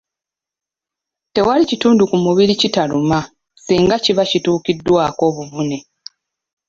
Tewali kitundu ku mubiri kitaluma singa kiba kituukiddwako obuvune.